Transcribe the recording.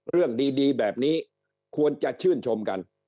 เรื่องดีแบบนี้ควรจะชื่นชมกัน